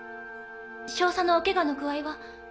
少佐のおケガの具合は。